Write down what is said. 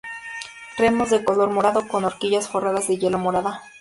Remos de color morado con horquillas forradas de hilo morada.